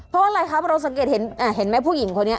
เพราะอะไรครับเราสังเกตเห็นไหมผู้หญิงคนนี้